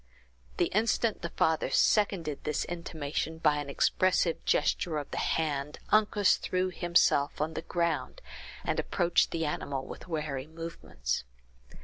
The instant the father seconded this intimation by an expressive gesture of the hand, Uncas threw himself on the ground, and approached the animal with wary movements.